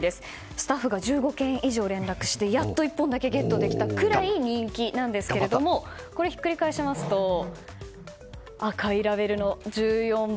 スタッフが１５軒以上連絡してやっと１本ゲットできたぐらい人気なんですけどひっくり返しますと赤いラベルの１４番。